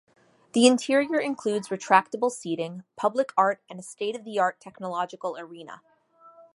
The interior includes retractable seating, public art and a state-of-the-art technological arena.